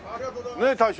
ねえ大将。